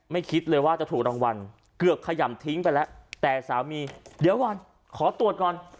คิดเลยว่าจะถูกรางวัลเกือบขย่ำทิ้งไปแล้วแต่สามีเดี๋ยวก่อนขอตรวจก่อน